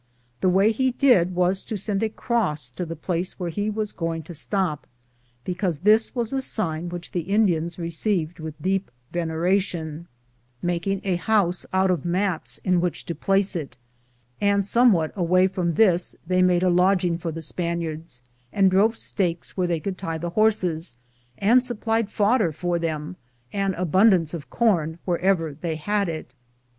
The way he did was to send a cross to the place where he was going to stop, because this was a sign which the Indians received with deep veneration, making a house out of mats in which to place it, and somewhat away from this they made a lodging for the Spaniards, and drove stakes where they could tie the horses, and supplied fodder for them, and abundance of corn wherever they had it.